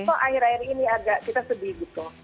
kok akhir akhir ini agak kita sedih gitu